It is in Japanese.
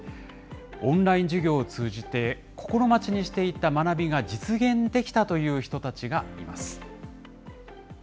オンライン授業を通じて、心待ちにしていた学びが実現できたという人たちがいます。